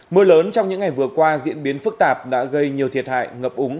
mưa lớn trong những ngày vừa qua diễn biến phức tạp đã gây nhiều thiệt hại ngập úng